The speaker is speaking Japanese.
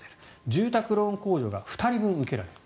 住宅ローン控除が２人分受けられる。